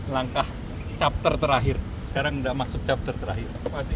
langkah chapter terakhir sekarang enggak maksud chapter terakhir